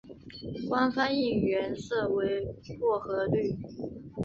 官方应援色为薄荷绿。